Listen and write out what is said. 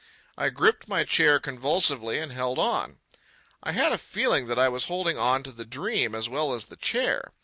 I gripped my chair convulsively and held on. I had a feeling that I was holding on to the dream as well as the chair.